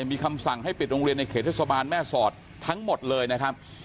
มีคำสั่งให้ปิดโรงเรียนในเขตเทศบาลแม่สอดทั้งหมดเลยนะครับ